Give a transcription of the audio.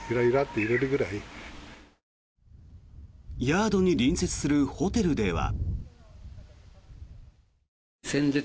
ヤードに隣接するホテルでは。